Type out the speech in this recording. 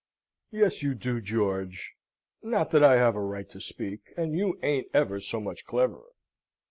"Yes you do, George! Not that I have a right to speak, and you ain't ever so much cleverer.